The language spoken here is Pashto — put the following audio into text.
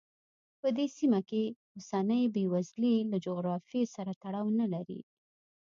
په دې سیمه کې اوسنۍ بېوزلي له جغرافیې سره تړاو نه لري.